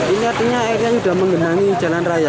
ini artinya air yang sudah mengenangi jalan raya